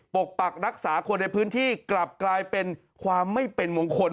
ปกปักรักษาคนในพื้นที่กลับกลายเป็นความไม่เป็นมงคล